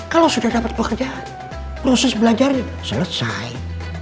kalau sudah dapat pekerjaan proses belajar selesai